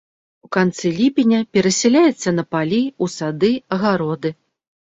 У канцы ліпеня перасяляецца на палі, у сады, агароды.